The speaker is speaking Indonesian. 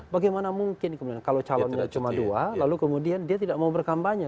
bagaimana mungkin kalau calonnya cuma dua lalu kemudian dia tidak mau berkampanye